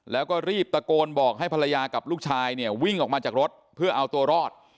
แล้วก็รีบตะโกนบอกให้ภรรยากับลูกชายเนี่ยวิ่งออกมาจากรถเพื่อเอาตัวรอด